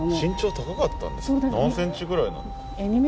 何センチぐらいなのかな？